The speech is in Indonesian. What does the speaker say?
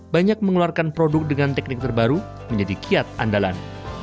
banyak mengeluarkan produk dengan teknik terbaru menjadi kiat andalan